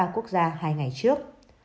hai mươi ba quốc gia hai ngày trước